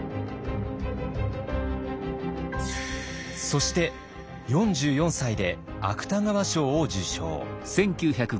そして４４歳で芥川賞を受賞。